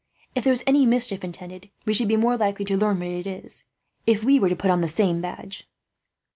If there is any mischief intended, we should be more likely to learn what it is if we were to put on the same badge."